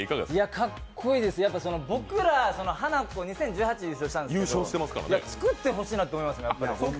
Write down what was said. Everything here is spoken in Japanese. かっこいいですね、僕らハナコ、２０１８優勝したんですけど作ってほしいなと思いますね、やっぱり。